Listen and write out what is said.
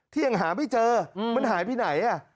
ยังหาไม่เจอมันหายไปไหน